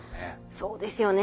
そうですよね